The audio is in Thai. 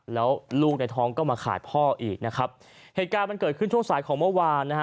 แล้วลูกในท้องก็มาขาดพ่ออีกนะครับเหตุการณ์มันเกิดขึ้นช่วงสายของเมื่อวานนะฮะ